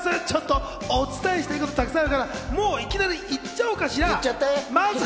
ちょっとお伝えしたいことたくさんあるから、もういきなりいっちゃおうかしら。